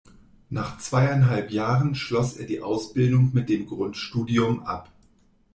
Nach zweieinhalb Jahren schloss er die Ausbildung mit dem Grundstudium ab.